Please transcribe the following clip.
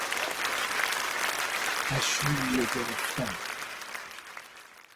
عشریه گرفتن